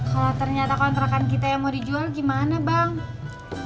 kalau ternyata kontrakan kita yang mau dijual gimana bang